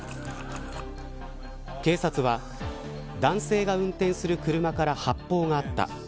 警察は、男性が運転する車から発砲があった。